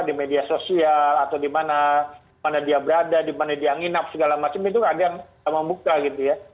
di media sosial atau dimana dia berada dimana dia nginap segala macam itu kadang membuka gitu ya